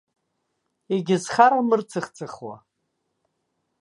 Егьызхарам ырцыхцыхуа.